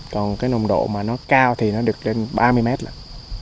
còn cái nồng độ mà nó cao thì nó được lên ba mươi mét lận